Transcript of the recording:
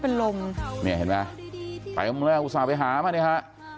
เป็นลมเนี่ยเห็นไหมไปกับมึงแล้วอุตส่าห์ไปหามาเนี่ยฮะ